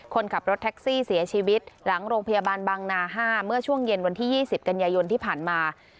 คนขับรถแท็กซี่เสียชีวิตหลังโรงพยาบาลบางนา๕เมื่อช่วงเย็นวันที่๒๐กันยายนที่ผ่านมา